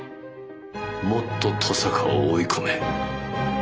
もっと登坂を追い込め。